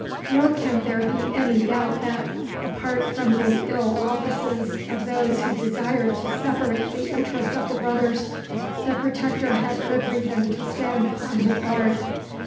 ] Nor can there be any doubt that, apart from the ill offices of those who desired to separate the interests of the brothers, the Protector had good reason to stand upon his guard.